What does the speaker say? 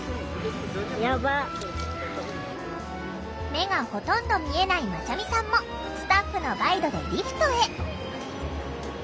目がほとんど見えないまちゃみさんもスタッフのガイドでリフトへ。